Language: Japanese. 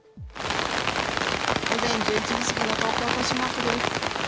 午前１１時過ぎの東京・豊島区です。